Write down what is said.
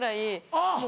あっ。